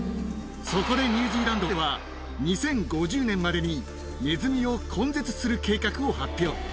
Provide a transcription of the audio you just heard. そこでニュージーランドは、２０５０年までにネズミを根絶する計画を発表。